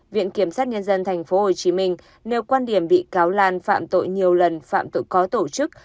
viện kiểm sát nhân dân tp hcm nêu quan điểm bị cáo lan phạm tội nhiều lần phạm tội có tổ chức